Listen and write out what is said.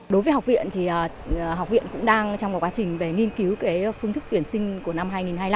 đối với học viện thì học viện cũng đang trong một quá trình về nghiên cứu phương thức tuyển sinh của năm hai nghìn hai mươi năm